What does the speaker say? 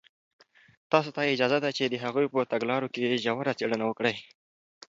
تاسو ته اجازه ده چې د هغوی په تګلارو کې ژوره څېړنه وکړئ.